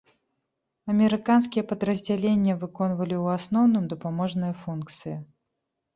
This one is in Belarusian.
Амерыканскія падраздзялення выконвалі ў асноўным дапаможныя функцыі.